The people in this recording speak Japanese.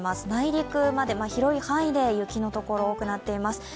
内陸まで、広い範囲で雪のところが多くなっています。